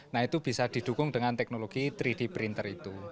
nah itu bisa didukung dengan teknologi tiga d printer itu